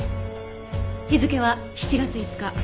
日付は７月５日。